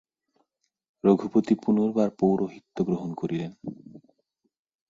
রঘুপতি পুনর্বার পৌরহিত্য গ্রহণ করিলেন।